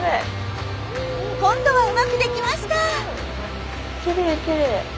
今度はうまくできました！